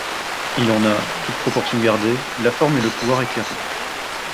Il en a, toutes proportions gardées, la forme et le pouvoir éclairant.